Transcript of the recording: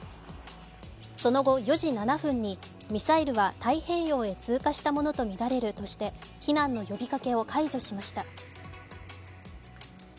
その後、４時７分にミサイルは太平洋へ通過したものとみられるとして、避難の呼びかけを解除しました。